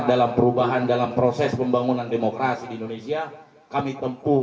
dalam perubahan dalam proses pembangunan demokrasi di indonesia kami tempuh